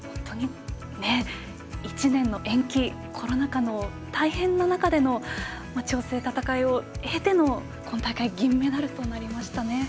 １年の延期、コロナ禍の大変な中での調整、戦いを経ての今大会、金メダルとなりましたね。